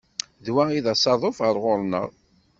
D wa i d asaḍuf ar ɣur-neɣ.